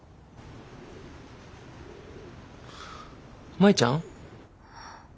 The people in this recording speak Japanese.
舞ちゃん？